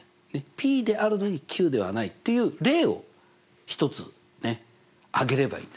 「ｐであるのにｑではない」っていう例を一つ挙げればいいんです。